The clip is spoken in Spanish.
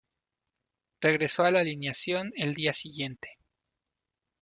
Regresó a la alineación el día siguiente.